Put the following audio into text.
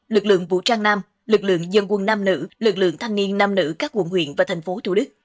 lực lượng vũ trang nam lực lượng dân quân nam nữ lực lượng thanh niên nam nữ các quận huyện và thành phố thủ đức